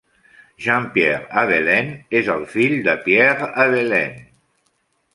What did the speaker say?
Jean-Pierre Abelin és el fill de Pierre Abelin.